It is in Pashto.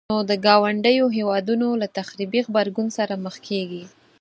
نو د ګاونډيو هيوادونو له تخريبي غبرګون سره مخ کيږي.